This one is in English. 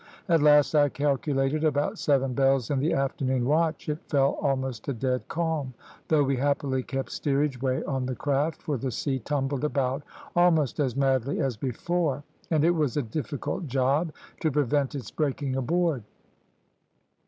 At last, I calculated about seven bells in the afternoon watch, it fell almost a dead calm, though we happily kept steerage way on the craft, for the sea tumbled about almost as madly as before, and it was a difficult job to prevent its breaking aboard.